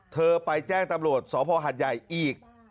เธอไปแจ้งตำรวจสภหัดใหญ่อีก